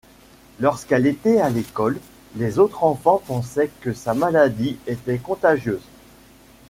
Lorsqu’elle était à l’école, les autres enfants pensaient que sa maladie était contagieuse.